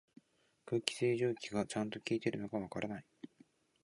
空気清浄機がちゃんと効いてるのかわからない